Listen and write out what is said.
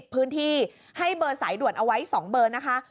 พื้นที่ให้เบอร์สายด่วนเอาไว้๒เบอร์นะคะ